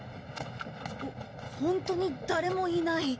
ホントに誰もいない。